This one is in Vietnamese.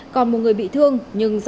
còn một người bị thương